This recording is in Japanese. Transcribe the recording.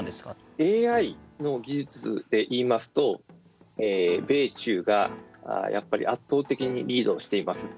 ＡＩの技術で言いますと米中がやっぱり圧倒的にリードをしています。